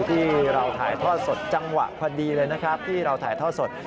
ที่เราถ่ายทอดสดจังหวะพอดีเลยนะครับที่เราถ่ายทอดสด